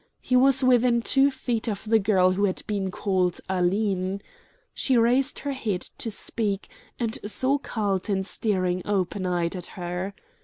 He was within two feet of the girl who had been called "Aline." She raised her head to speak, and saw Carlton staring open eyed at her.